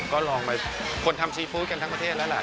ก็ลองไปคนทำซีฟู้ดกันทั้งประเทศแล้วล่ะ